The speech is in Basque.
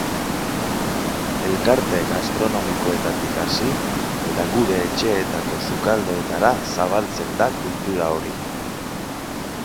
Elkarte gastronomikoetatik hasi, eta gure etxeetako sukaldeetara zabaltzen da kultura hori.